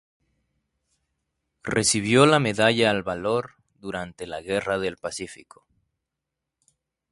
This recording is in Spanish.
Recibió la medalla al valor durante la Guerra del Pacífico.